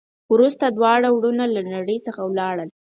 وروسته دواړه ورونه له نړۍ څخه ولاړل.